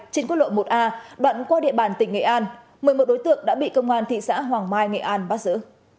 trên quốc lộ một a đoạn qua địa bàn tỉnh nghệ an một mươi một đối tượng đã bị công an thị xã hoàng mai nghệ an bắt giữ